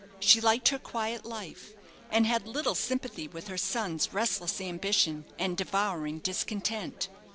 She liked her quiet life, and had little sympathy with her son's restless ambition and devouring discontent.